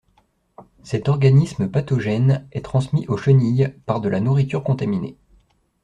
Cet organisme pathogène est transmis aux chenilles par de la nourriture contaminée.